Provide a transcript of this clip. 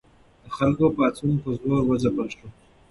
د خلکو پاڅون په زور وځپل شو.